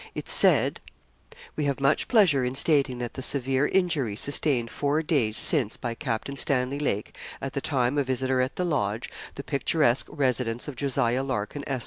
It said: 'We have much pleasure in stating that the severe injury sustained four days since by Captain Stanley Lake, at the time a visitor at the Lodge, the picturesque residence of Josiah Larkin, Esq.